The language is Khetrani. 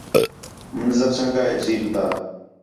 منظر چَنڳا ہے جھیل تا